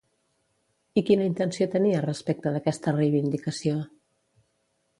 I quina intenció tenia respecte d'aquesta reivindicació?